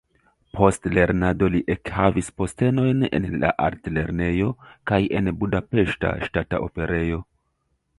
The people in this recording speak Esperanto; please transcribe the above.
Post lernado li ekhavis postenojn en la Altlernejo kaj en Budapeŝta Ŝtata Operejo.